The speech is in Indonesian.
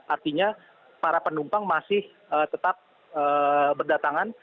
artinya para penumpang masih tetap berdatangan